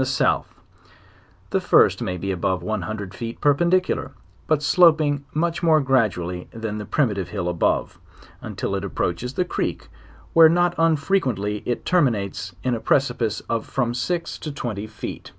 209 'the south; the first may be above one hundred feet perpendic ular, but sloping much more gradually than the primitive hill above, until it approaches the creek, where not unfre quently it terminates in a precipice of from six to twenty feet.